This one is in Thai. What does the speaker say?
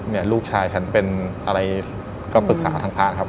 ลูกชายฉันเป็นอะไรก็ปรึกษาทางพระนะครับ